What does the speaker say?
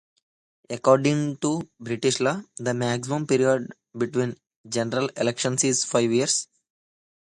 According to British law, the maximum period between general elections is five years.